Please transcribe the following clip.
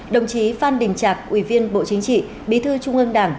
đồng chí phan đình trạc ủy viên bộ chính trị bí thư trung ương đảng